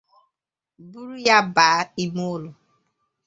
buru ya bàá ime ụlọ